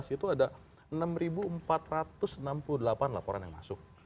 itu ada enam empat ratus enam puluh delapan laporan yang masuk